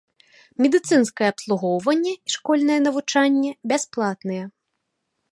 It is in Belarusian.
Медыцынскае абслугоўванне і школьнае навучанне бясплатныя.